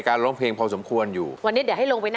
คุณครับ